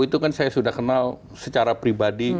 itu kan saya sudah kenal secara pribadi